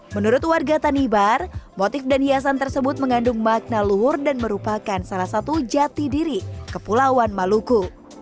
menurut warga tanibar motif dan hiasan tersebut mengandung makna luhur dan merupakan salah satu jati diri kepulauan maluku